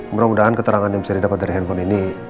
mudah mudahan keterangan yang bisa didapat dari handphone ini